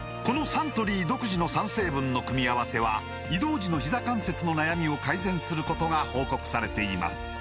このサントリー独自の３成分の組み合わせは移動時のひざ関節の悩みを改善することが報告されています